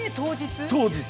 当日。